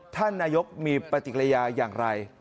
ท่านนายกมีปฏิกิริยาอย่างไร